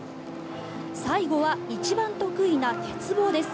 最後は一番得意な鉄棒です。